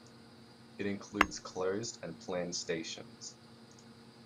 It includes closed and planned stations.